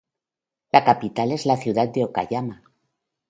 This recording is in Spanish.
La capital es la ciudad de Okayama.